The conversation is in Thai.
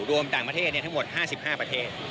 รวมต่างประเทศทั้งหมด๕๕ประเทศ